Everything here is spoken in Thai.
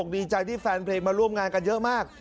ดีใจที่แฟนเพลงมาร่วมงานกันเยอะมาก